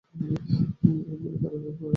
ঐ ভুলের কারণে মারা গেছে একজন।